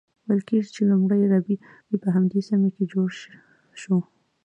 ویل کیږي چې لومړۍ اربۍ په همدې سیمه کې جوړه شوه.